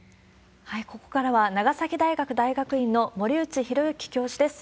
ここからは、長崎大学大学院の森内浩幸教授です。